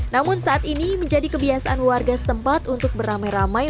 namun saat ini menjadi kebiasaan warga setempat untuk beramai ramai